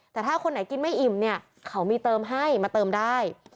แต่ถ้าคนไหนกินไม่อิ่มเนี่ยเขามีเติมให้มาเติมได้